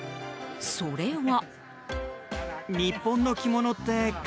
それは。